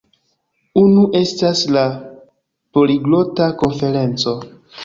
Unu estas la Poliglota Konferenco